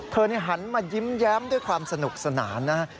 หันมายิ้มแย้มด้วยความสนุกสนานนะครับ